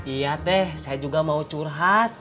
iya deh saya juga mau curhat